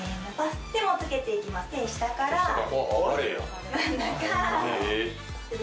手は下から、真ん中、上。